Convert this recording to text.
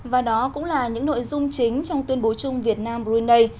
và đó cũng là những nội dung chính trong tuyên bố chung việt nam brunei